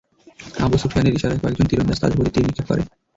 আবু সুফিয়ানের ইশারায় কয়েকজন তীরন্দাজ তাদের প্রতি তীর নিক্ষেপ করে।